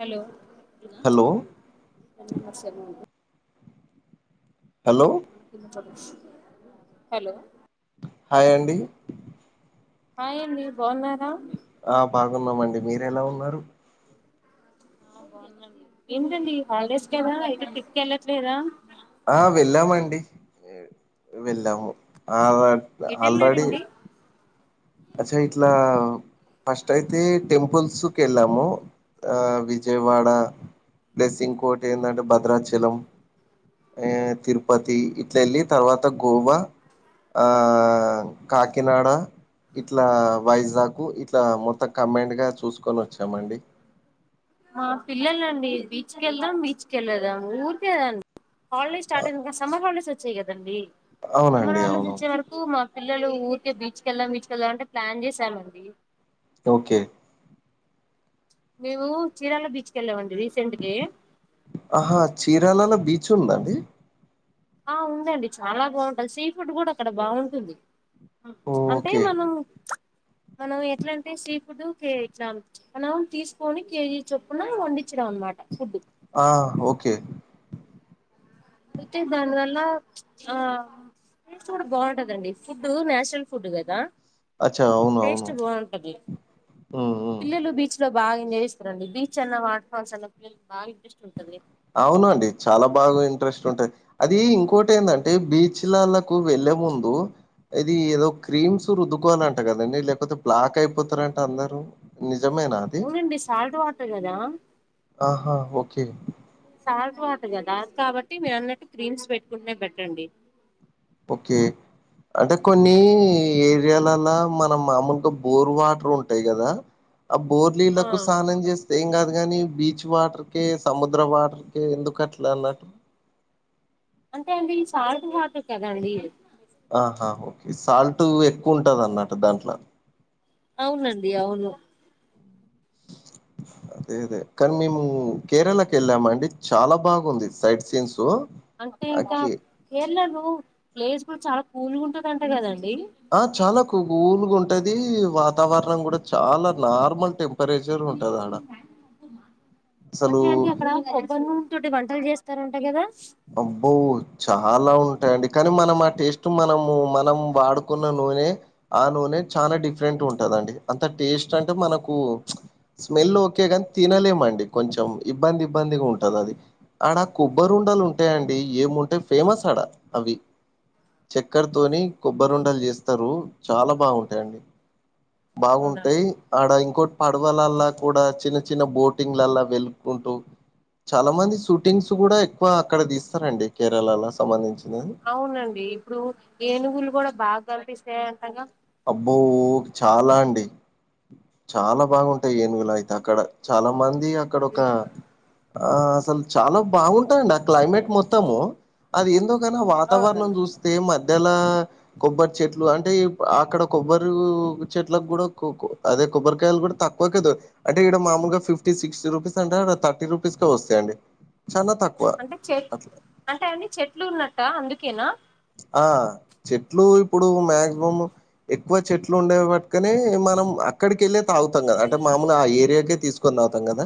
Hello hello న్న వష [inaudible] hello hello hi అండి hi అండి బావున్నారా ఆ బాగున్నామండి మీరు ఎలా ఉన్నారు ఆ బాగున్న నండి ఏంటండి హాలిడేస్ కదా ఎక్కడికి ట్రిప్కి వెళ్ళట్లేదా ఆ వెళ్ళామండి వెళ్ళాము ఆ ఎటు ఆల్రెడి వెళ్ళారండి అచ్చ ఇట్లా ఫస్ట్ అయితే టెంపుల్స్కి వెళ్ళాము ఆ విజయవాడ ప్లస్ ఇంకోటి ఏంధంటే భద్రాచలం ఏ తిరుపతి ఇట్ల వెళ్ళి తర్వాత గోవా ఆ కాకినాడ ఇట్లా వైజాగ్ ఇట్లా మొత్తం కంబైన్డ్ గా చూసుకొని వచ్చామండి మా పిల్లలండి బీచ్ క వెళ్దాం బీచ్ కి వెళ్ళదాం ఊరికే అదేండి హాలిడేస్ స్టార్ట్ అయిందిక సమ్మర్ హాలిడేస్ వచ్చాయి కదండి సమ్మర్ అవునండి హాలిడేస్ అవును వచ్చే వరకు మా పిల్లలు ఊరికే బీచ్కెళ్దాం బీచ్కెళ్దాం అంటే ప్లాన్ చేశామండి ఓకే మేము చీరాల బీచ్ కి వెళ్ళా మండి ఆహా చీరాలలో బీచ్ ఉందా అండి ఆ ఉందండి చాలా బాగుంటది సీ ఫుడ్ కూడా అక్కడ బాగుంటుంది అంటే ఓకే. మనం మనం ఎట్లా అంటే సీ ఫుడ్ కే ఇట్లా మనం తీసుకొని కేజీ చొప్పున వండిచినం అనమాట చెద్దు [unintelligible] ఆ ఓకే అయితే దానివల్ల చ్ ఆ టేస్ట్ కూడా బాగుంటదండి ఫుడ్ నాచురల్ ఫుడ్ కదా అచ్చా! అవును. అవును. టేస్ట్ బాగుంటది హ్మ్. హ్మ్. పిల్లలు బీచ్ లో బాగ ఎంజాయ్ చేస్తరండి బీచ్ అన్నా వాటర్ ఫాల్స్ అన్న పిల్లలకు బాగ ఇంట్రస్ట్ ఉంటుంది అవును అండి చాలా బాగా ఇంట్రెస్ట్ ఉంటది అది ఇంకోటి ఏందంటే బీచ్లలకు వెళ్ళి వెళ్ళే ముందు ఇది ఏదో క్రీమ్స్ రుద్దుకోవాలంట కదండి లేకపోతే బ్లాక్ అయిపోతారుంటే అందరూ ని నిజమేనా అది అవునండి సాల్ట్ వాటర్ కదా ఆహా ఓకే సాల్ట్ వాటర్ కదా కాబట్టి మీరు అన్నట్టు క్రీమ్స్ పెట్టుకుంటేనే బెటర్ అండి పోకే అంటే కొన్ని ఏరియాలలా మనం మామూలుగా బోర్ వాటర్ ఉంటాయి గదా ఆ ఆ బోర్లీళ్లకు సానం జేస్తే ఏం గదు. గాని బీచ్ వాటర్కే, సముద్ర వాటర్కే ఎందుకు అట్లా అలలాన్ అంటే అండి, సాల్ట్ వటర్ కదండి. ఈ సాల్టు ఎక్కువ ఉంటది. అన్నట్ దంట్లా అవునండి అవును అదే అదే కానీ మేము కేరళకి ఏళ్ళమండి, చాలా బాగుంది సైడ్ సిన్సు. అంటే ఇంకా కేరళలు ప్లేస్ కూడా చాలా కూల్ గుంటదంట గదాన్. ఆ చాలా కులుగుంటది. వాతావరణం కూడా చాలా నార్మల్ టెంపరేచర్గ్ ఉంటద అడా. అంటే అండి, అక్కడ కొబ్బరు నూన్ తోటి వంటలు జేస్తారంటా గదా. అబ్బో చాలా ఉంటాయండి. కానీ మనం ఆ టేస్ట్ మనము మనం వాడుకున్నన్ నూనె ఆ నూనె చానా డిఫరెంట్ ఉంటదండి. అంత టేస్ట్ అంటే మనకు స్మెల్ ఓకే గాని తినలేమండి. కొంచెం ఇబ్బంది ఇబ్బందిగ్ ఉంటది అది. అడా కొబ్బరు ఉండలు ఉంటాయండి, ఏముంటాయి ఫేమస్ అడా అవి. చక్కర్తోని కొబ్బరుండలు జేస్తారు చాలా బావుంటాయండి. బాగుంటాయ్ అవునండి అడా ఇంకోట్ పడవలలా కూడా చిన్న చిన్న బోటింగ్ లలా వెలుకుంటూ చాలా మంది షూటింగ్స్ కూడా ఎక్కువ ఇక్కడ దీస్తారండి కేరళలాస్ అవునండి ఇప్పుడు ఏనుగులు కూడా బాగా గన్పిస్తాయ్ అంటగా అబ్బోగ్ చాలా అండి. చాలా బాగుంటాయి ఏనుగులైతే అక్కడ చాలా మంద్ ది అక్కడ ఒక ఆస్ తల్ చాలా బాగుంటందండి ఆ క్లైమేట్ మొత్తము అది ఎందో లాన్ ఆ వాతావరణం అవునండి చూస్తే మధ్యలా కొబ్బరి చెట్లు అంటే ఏప్ అక్కడ కొబ్బరు చెట్లకు కూడా కోకో అదే కొబ్బరికాయలు కూడా తక్కువకే దో అంటే ఇడా మనం ముగా ఫిఫ్టీ సిక్స్టీ రూపీస్ అంటా, అడా థర్టీ రూపీస్కే వస్తాయండి. చానా తక్కువ అంటే చె అట్లా. అంటే అన్నీ చెట్లు ఉన్నట్టా అందుకేనా ఆ చెట్లు ఇప్పుడు మాక్సిమం ఎక్కువ చెట్లు ఉండే వట్టుకనే మనం అక్కడికెళ్ళే తాగుతం కదా అంటే మమూలు ఆ ఏరియాకే తీసుకొని తాగుతం గదా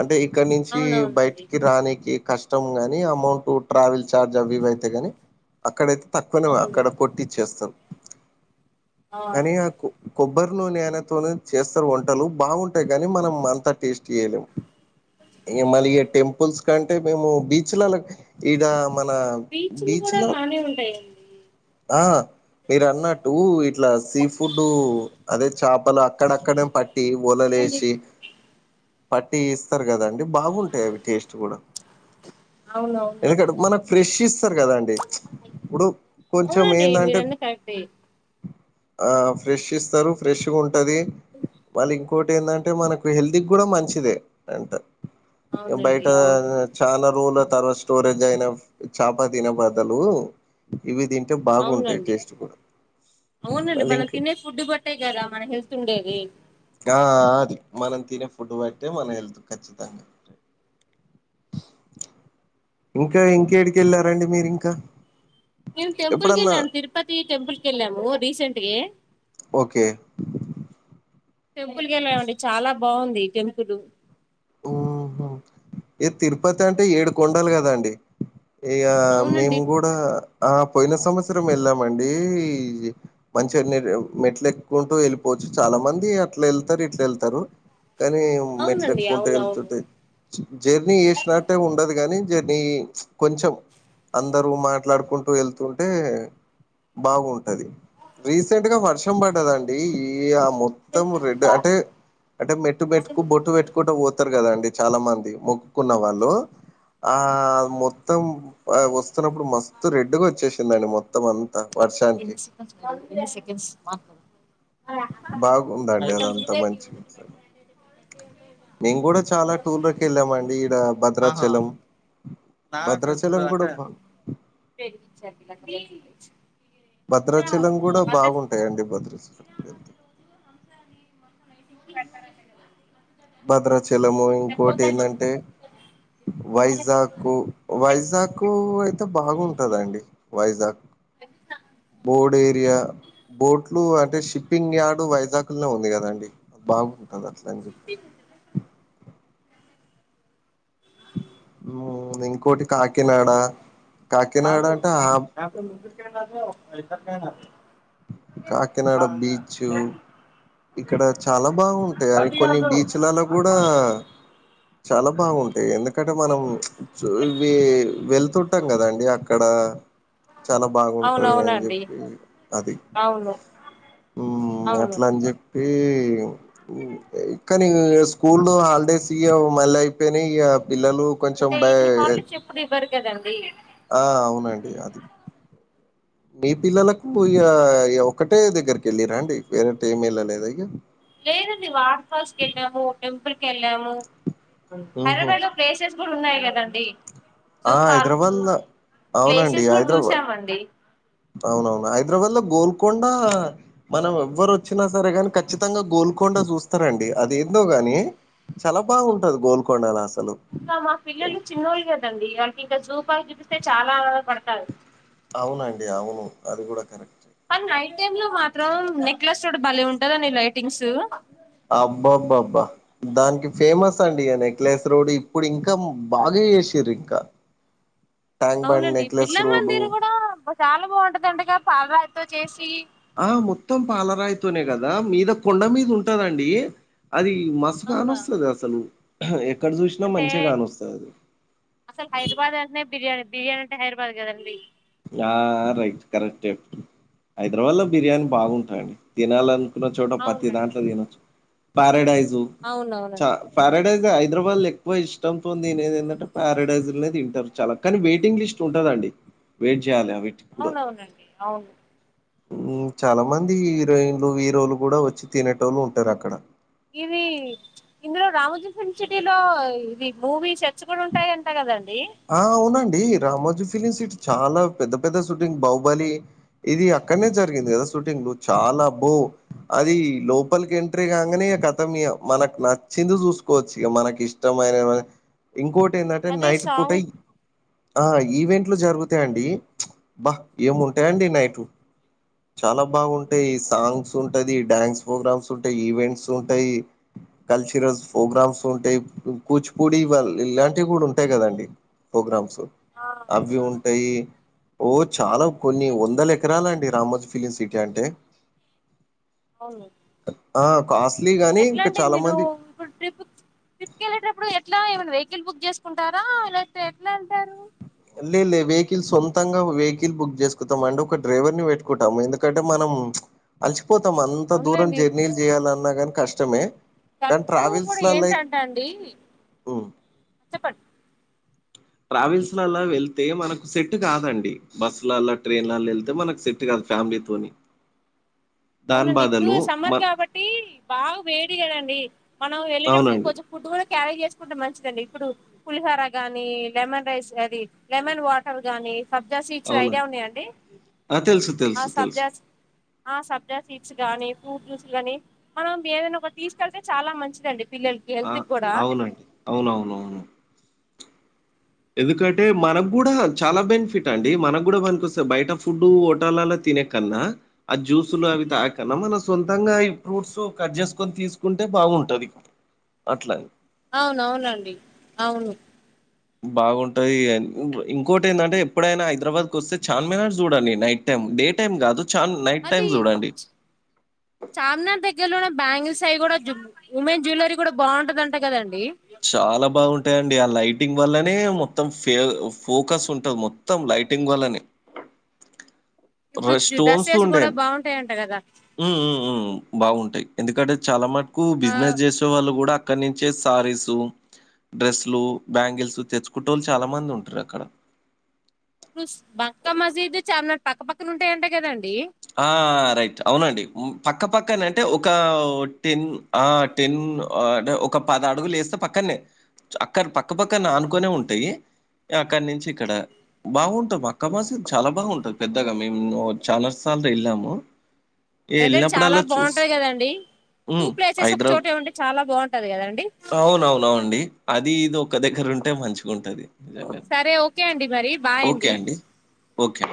అంటే ఇ క్కడ నుంచి అవునవునండి బయటికి రానికి కష్టం గాని అమౌంట్ ట్రావెల్ ఛార్జ్ అవి ఇవి అయితే గానే అక్కడైత్ తక్కువనేవా అవును అక్కడ కొట్టిచ్చేస్తార్ ఆ కానీ ఆకు కొబ్బరి నూనె అనే తోనే చేస్తారు వంటలు బావుంటాయి గానీ, మనం అంతా టేస్టీ జేయలేమ్. ఇగా మళ్ళీ ఇగా టెంపుల్స్ కంటే మేము బీచులాలక్ ఇడా మన బీచ్లా ఈఈ ఆ మీరు అన్నట్టు ఇట్లా సీ ఫుడు అదే చపలు అక్కడక్కడ పట్టి ఓలల్ ఉంది ఏసి పట్టి ఇస్తారు గదండి బాగుంటాయి అవి టేస్ట్ గూడా అవునవునండి ఎందుకంటే మనక్ ఫ్రెష్ ఇస్తరు గదండి ఇప్పుడు కొంచెం అవునండి ఎందంటేక్ మీరన్నది కరెక్టే ఆ ఫ్రెష్ ఇసరు, ఫ్రెషు ఉంటది. వాళ్ళు ఇంకు ఇంకోటి ఎందంటే మనకు హెల్త్ కు కూడా మంచిదే అంట ఏమ్ అవునండి బయట అవును చాలా తర్వాత స్టోరేజ్ అయిన చపతిన బదలు ఇవి తింటే బాగుంటాయి అవునండి టేస్ట్ కూడా అవునండి మళ్ళీ మనం ఇంక తినే ఫుడ్ బట్టే కదా మన హెల్త్ ఉండేది ఆ అది మనం తినే ఫుడ్ బట్టే మన హెల్త్ ఖచ్చితంగా ఇంకా ఇంకేడికేళ్ళారండి మీరింకా మేమ టెంపుల్ కి వెళ్ళాం తిరుపతి టెంపుల్ కి వెళ్లాము రీసెంట్గా ఓకే టెంపుల్కి వెళ్ళామండి చాలా బాగుంది టెంపుల్ ఏ తిరుపతి అంటే ఏడు కొండలు కదాండి ఇగ అవునండి మేము కూడా ఆ పోయిన సంవత్సరం వేళ్లమండి మంచిగన్ని మెట్లు ఎక్కుంటూ వెళ్ళిపో చాలా మంది అట్లా వెళ్తారు ఇట్లా వెళ్తారు కానీ మెట్లు అవునండి ఎక్కుంటూ అవును అవును వెళ్తుంటే జర్నీ చేసినట్టే ఉండదు కాని జర్నీ కొంచెం అందరు మాట్లాడుకుంటూ వెళ్తుంటే బాగుంటది రీసెంట్ గా వర్షం పడ్డదండి ఈ మొత్తం రెడ్ అంటే అంటే మెట్టు మెట్టుకు బొట్టు పెట్టు స్తారు కదండి చాలా మంది మొక్కుకున్న వాళ్ళు ఆ మొత్తం వస్తునప్పుడు మస్తు రెడ్గా వచ్చేసిందండి మొత్తం అంత [unintelligible] బాగుందండి అదంతా మంచిగా మేము కూడా చాలా టూర్లకి వెళ్ళామండి ఈడ ఆహా భద్రాచలం నాకు ఇప్పుడు భద్రాచలం కూడా అంటే బా భద్రాచలం కూడా కాదు బాగుంటాయండి భద్రాచలం [unintelligible] భద్రాచలము ఇంకోటి లేకపోతే ఏందంటే వైజాకు వైజాగ్కు అయితే బాగుంటదండి వైజాగ్ అ బోర్డ్ ఏరియా బోట్లు అంటే షిప్పింగ్ యార్డు వైజాగ్ లోనే ఉంది కదండి బాగుంటది [unintelligible] ఇంకోటి కాకినాడ కాకినాడ అంటే ఆ కాకినాడ కాకినాడ బీచ్ ఇక్కడ చాలా బాగుంటాయి అ బండి కొన్ని కాదు బీచ్ లల్లో ఆటో కూడా ఆటో చాలా బాగుంటాయి ఎందుకంటే మనం ఇవి వెళ్తుంటే కదండి అక్కడ చాలా బాగుంటది అని అవునవునండి చెప్పి అది అవును ఉ అవును అట్ల అని చెప్పి కానీ స్కూల్ హాలిడేస్ ఇక మళ్ళీ అయిపోయినాయి ఇక పిల్లలు కొంచెం అంటే ఇన్ని భయం హాలిడేస్ ఎప్పుడు ఇవ్వరు కదండి అవునండి అది మీ పిల్లలకు ఇగ ఒకటే దగ్గరికి వెళ్ళిరా అండి వేరే టీమ్ వెళ్ళలేదు ఇగ లేదండి వాటర్ హౌస్ కి వెళ్ళాము టెంపుల్ కె ళ్ళాము ఊహూ హైదరాబాద్ లో ప్లేసెస్ కూడా ఉన్నాయి కదండీ జూ ఆ పార్కు హైదరాబాద్ లో అవునండి ప్లేసెస్ కూడా హైదరాబాద్ చూసామండి అవునవును హైదరాబాద్ లో గోల్కొండా మనం ఎవ్వరు వచ్చిన సరే గానీ ఖచ్చితంగా గోల్ ల్కొండ చూస్తారండి అది ఏందో గాని చాలా బాగుంటది గోల్కొండలో అసలు ఇంకా మా పిల్లలు చిన్నోళ్ళు కదండి వాళ్ళకి ఇంకా జూ పార్కు చూపిస్తే చాలా పడతారు అవునండి అవును అది కూడా కరెక్ట్ కానీ నైట్ టైమ్ లో మాత్రం నెక్లెస్ రోడ్ భలే ఉంటదండి లైటింగ్స్ అబ్బ బ్బ బ్బ దానికి ఫేమస్ అండి నెక్లెస్ రోడ్ ఇప్పుడు ఇంకా బాగ చేషిర్రింకా అవునండి బిర్లా రోడ్డు మందిర్ గూడా చాలా బాగుంటదంటగా పాలరాయితో చేసి ఆ మొత్తం పాలరాయితోనే కదా మీద కొండ మీద ఉంటదండి అది అవునా మస్తుకానొస్తది అసలు ఎక్కడ చూసినా అంటే మంచిగా కానొస్తది అది అసలు హైదరాబాద్ అంటే నే బిర్యానీ బిర్యానీ అంటె హైదరాబాద్ కదండీ ఆ రైట్ కరెక్ట్ హైదరాబాద్ లో బిర్యానీ బాగుంటాయండి తినాలని చోట పతీ అవునండి దాంట్లో తినొచ్చు పారడైజ అవునవును చ పారడైజ హైదరాబాద్ లో ఎక్కువ ఇష్టంతోని తినేది ఏంటంటే పారడైజర్ అనేది తింటారు చాలా కానీ వెయిటింగ్ లిస్ట్ ఉంటుదండి వెయిట్జేయాల అవునవునండి అవును చాలా మంది హీరోయిన్లు హీరోలు కూడా వచ్చి తినేటోలు ఉంటారు అక్కడ ఇదీ ఇందులో రామోజీ ఫిల్మ్ సిటీ లో ఇది మూవీ సెట్స్ కూడా ఉంటాయంట కదండి ఆ అవునండి డీ రామోజీ ఫిలిమ్స్ ఇ చాలా పెద్ద పెద్ద షూటింగ్ బాహుబలి ఇది అక్కడనే జరిగింది కదా షూటింగ్ చాలా అబ్బో అది లోపల్ కి ఎంట్రీ కాంగానే ఖతం ఇహ మనకు నక్ ముందు చూసుకోవచ్చు ఇక మనకి ఇష్టమైన ఇంకోటి ఏందంటె అదే నైట్ పూట సాంగ్ ఆ ఈవెంట్లు జరుగుతాయిండి మ్చ్ అబ్బా ఏముంటాయండి నైట్ చాలా బాగుంటాయి సాంగ్స్ ఉంటాది డ్యాన్స్ ప్రోగ్రామ్స్ ఉంటాయి ఈవెంట్స్ ఉంటాయి కల్చరల్ ప్రోగ్రామ్స్ ఉంటాయి కూచిపూడి ఇలాంటివి కూడా ఉంటాయి కదండి ప్రోగ్రామ్స్ ఆ అవి ఉంటాయి ఓ చాలా కొన్ని వందల ఎకరాల అండి రామోజి ఫిలిమ్ సిటీ అంటే అవును ఆ! కాస్ట్లీ గానీ ఎట్లా ఇంకా అంటే చాలా మీరు మంది ఇప్పుడు ట్రిప్ కి ట్రిప్ కె ళ్ళేటపుడు ఎట్లా వెహికిల్ బుక్ చేసుకుంటారా లేతే ఎట్లా ఎళ్తారు లే లే వెహికిల్ సొంతంగా వెహికిల్ బుక్ చేసుకుతాం అండి ఒక డ్రైవర్ ని పెట్టుకుంటాము ఎందుకంటే మనం మ్చ్ అలసిపోతాం అంత దూరం అవునులేండి జర్నీలు చేయాలన్నా గాని కష్టమే ది కానీ ట్టూ కూడా ట్రావెల్స్లలా ఏంటంటె అండీ ఉమ్ చెప్పండి ట్రావెల్స్ లా వెళ్తే మనకు సెట్ కాదండి బస్ లలా ట్రైన్లలా వెళ్తే మనకు సెట్ కాదు ఫ్యామిలీ తోనీ అవునండి ఇప్పుడూ సమ్మర్ మ కాబట్టి బాగా వేడి కదండి మనం వెళ్ళేటప్పుడు అవునండి కొంచెం ఫుడ్ కూడా క్యారీ చేసుకుంటే మంచిదండి ఇప్పుడు పులిహోర గానీ లెమన్ రైస్ గాని లెమన్ వాటర్ గాని సబ్జా సీడ్స్ ఐడియా అవునండి ఉన్నాయ అండి ఆ తెలుసు ఆ తెలుసు తెలుసు సబ్జాస్ ఆ సబ్ జా సీడ్స్ గానీ ఫ్రూట్ జ్యూస్ గాని మనం ఏదైనా ఒక జ్యూస్ తాగితే చాలా మంచిదండి పిల్లలకి ఆ హెల్తీ కి కూడా అవునండి అవునవునవును ఎందుకంటే మనకు కూడా చాలా బెనిఫిట్ అండి మనకు కూడా పనికి వస్తే బయట ఫుడ్ హోటల్లా తిన్ తినే కన్నా ఆ జ్యూసులు అవి తాగే కన్నా మనం సొంతంగా ఈ ఫ్రూట్స్ కట్ చేసుకొని తీసుకుంటే బాగుంటది అట్లా అవునవునండి అవును బాగుంటది ఇంకోటి ఏంటంటే ఎప్పుడైనా హైదరాబాద్ కు వస్తే చామినార్ చూడండి నైట్ టైం డే టైమ్ కాదు చాన్ నైట్ టైమ్ చూడండి చామినార్ దగ్గర్లో ఉన్న బ్యాంగిల్ సైయి కూడా ఉమెన్ జ్యువెలరీ కూడా బాగుంటదన్టా కదండి చాలా బాగుంటాయండి ఆ లైట్ టింగ్ వల్లనే మొత్తం ఫెల్ ఫోకస్ ఉంటది మొత్తం లైటింగ్ వల్లనే ఇప్పుడు రెస్టోన్స్ డ్రెస్సెస్ ఉండే కూడా బాగుంటాయంట కదా మ్మ్ మ్మ్ మ్మ్ బాగుంటాయి ఎందుకంటే చాలా మటుకు ఆ బిజినెస్ చేసే వాళ్ళు కూడా అక్కడ నుంచే సారీస్ డ్రెస్సులు బ్యాంగిల్స్ తెచ్చుకుంటోళ్ళు చాలా మంది ఉంటారు అక్కడ బంకా మజీద్ చానా పక్కపక్కన ఉంటాయి అంటా కదండి ఆ రైట్ అవునండి పక్కపక్కన అంటే ఒక టెన్ ఆ టెన్ అంటే ఒక పద అడుగులు వేస్తే పక్కన ఏ అక్కడ పక్కపక్కన ఆనుకొనే ఉంటాయి అక్కడి నుంచి ఇక్కడ బాగుంటు అక్క మాసు చాలా బాగుంటది పెద్దగా మేము చాల సార్లు వెళ్ళాము ఏ వెదర్ చాలా వెళ్ళినప్పుడల్లా చూస్ బాగుంటది కదండి టూ హుమ్ ప్లేసెస్ ఒక హైదరాబ్ చోటే ఉంటే చాలా బాగుంటది కదండి అవునవునవుండి అది ఇది ఒక దగ్గర ఉంటే మంచిగా ఉంటది సరే ఓకే అండి మరి ఓకే బాయండి అండి. ఓకే